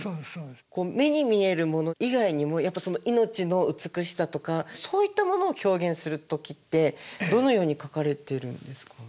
目に見えるもの以外にもやっぱその命の美しさとかそういったものを表現する時ってどのように描かれてるんですか？